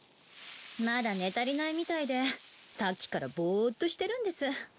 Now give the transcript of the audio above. まだ寝足りないみたいでさっきからボーッとしてるんです。